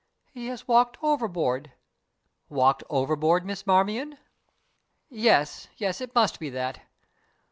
He has walked overboard." "Walked overboard, Miss Marmion?" "Yes, yes, it must be that.